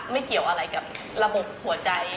เกี่ยวอะไรกับระบบหัวใจ